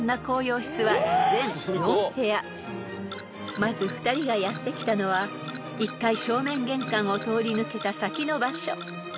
［まず２人がやって来たのは１階正面玄関を通り抜けた先の場所］